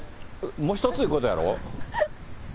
もう一ついうことやろ？